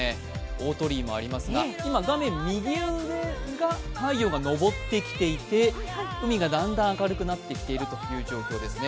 大鳥居もありますが今、画面右上が太陽が昇ってきていて海がだんだん明るくなってきているという状況ですね。